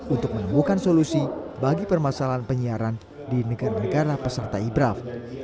untuk menemukan solusi bagi permasalahan penyiaran di negara negara peserta ibraf